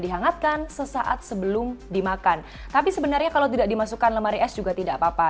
dihangatkan sesaat sebelum dimakan tapi sebenarnya kalau tidak dimasukkan lemari es juga tidak apa apa